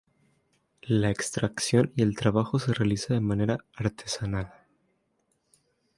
La extracción y el trabajo se realiza de manera artesanal.